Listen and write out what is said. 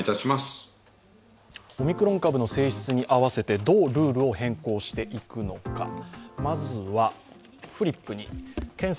オミクロン株の性質に合わせて、どうルールを変更していくのか。